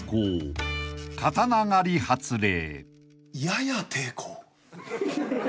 やや抵抗。